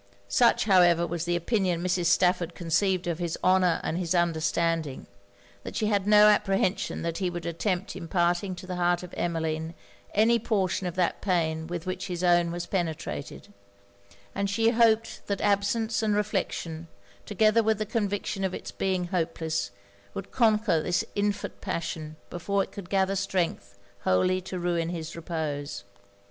Such, however, was the opinion Mrs. Stafford conceived of his honour and his understanding, that she had no apprehension that he would attempt imparting to the heart of Emmeline any portion of that pain with which his own was penetrated; and she hoped that absence and reflection, together with the conviction of it's being hopeless, would conquer this infant passion before it could gather strength wholly to ruin his repose.